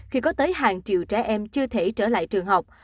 khi có tới hàng triệu trẻ em chưa thể trở lại trường học